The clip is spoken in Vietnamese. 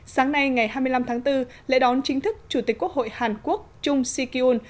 sáng nay ngày hai mươi năm tháng bốn lễ đón chính thức chủ tịch quốc hội hàn quốc trung si ki un